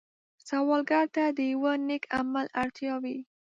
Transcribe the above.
سوالګر ته د یو نېک عمل اړتیا وي